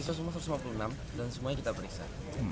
kita belum pulang dari pagi soalnya